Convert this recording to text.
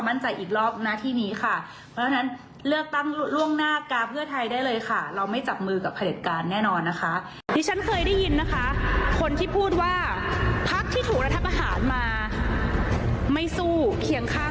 ผลิตการณ์แน่นอนนะคะ